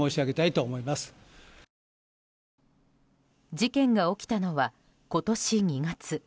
事件が起きたのは今年２月。